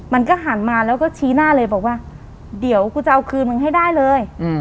มันก็หันมาแล้วก็ชี้หน้าเลยบอกว่าเดี๋ยวกูจะเอาคืนมึงให้ได้เลย